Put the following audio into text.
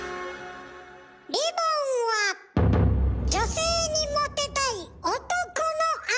リボンは女性にモテたい男のアイテム。